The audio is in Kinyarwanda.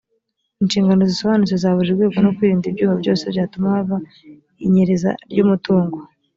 inshingano zisobanutse za buri rwego no kwirinda ibyuho byose byatuma haba inyereza ry umutungo